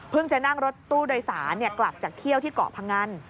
จะนั่งรถตู้โดยสารกลับจากเที่ยวที่เกาะพงัน